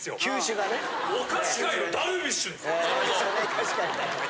確かに。